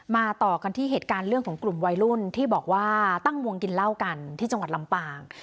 ต่อกันที่เหตุการณ์เรื่องของกลุ่มวัยรุ่นที่บอกว่าตั้งวงกินเหล้ากันที่จังหวัดลำปาง